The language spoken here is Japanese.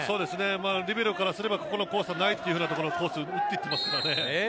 リベロからすればここのコースはないというコースに寄ってきますからね。